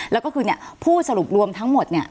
แล้วก็คือเนี่ยผู้สรุปรวมทั้งหมดเนี่ย